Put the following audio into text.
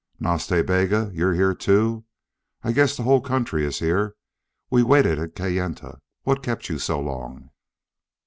"Nas Ta Bega! you here, too. I guess the whole country is here. We waited at Kayenta. What kept you so long?"